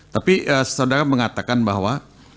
tapi saudara mengatakan bahwa